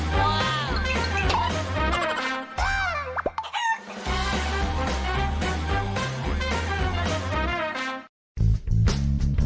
ว้าว